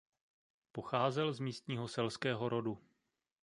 Pocházel z místního selského rodu.